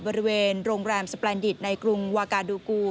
บริเวณโรงแรมสแปลนดิตในกรุงวากาดูกู